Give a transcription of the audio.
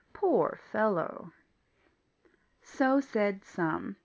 Poor fellow! So said some.